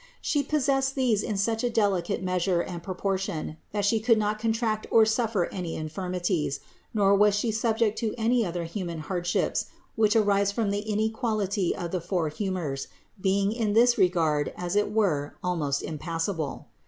She possessed these in such a delicate measure and proportion, that She could not contract or suffer any infirmities, nor was She subject to .any other human hardships which arise from the inequality of the four humors, being in this regard as it were almost impassible.